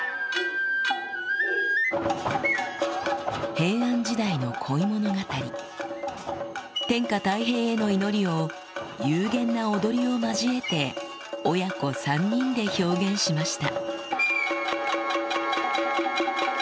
平安時代の恋物語天下太平への祈りを幽玄な踊りを交えて親子３人で表現しました